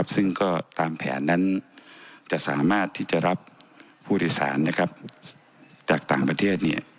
ซึ่งก็ตามแผนนั้นจะสามารถที่จะรับผู้โดยสารจากต่างประเทศ